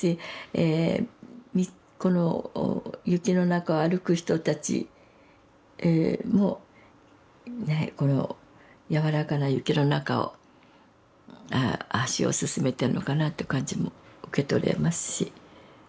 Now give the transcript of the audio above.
この雪の中を歩く人たちもこの柔らかな雪の中を足を進めてるのかなという感じも受け取れますし。